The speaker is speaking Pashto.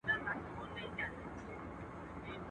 لوی شخصیتونه تل یاد پاتې کېږي